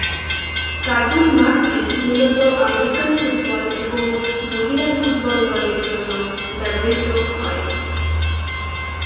Cajun মাঠটি মূলত American football এবং মহিলা ফুটবল দলের জন্য ব্যবহৃত হয়।